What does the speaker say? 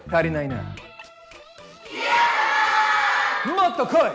もっと来い！